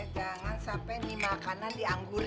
jangan sampai nih makanan dianggur